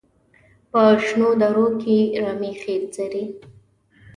په شنو درو کې رمې ښې څري.